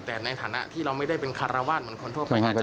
แต่ในฐานะที่เราไม่ได้เป็นคารวาสเหมือนคนทั่วไป